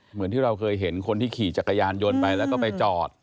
เหมือนที่เราเคยเห็นคนที่ขี่จักรยานยนต์ไปแล้วก็ไปจอด